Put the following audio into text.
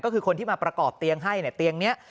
ก็คือคนที่มาประกอบเตียงให้เนี่ยเตียงนี้